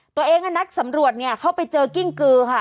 ตัวเองกับนักสำรวจเข้าไปเจอกิ้งกือค่ะ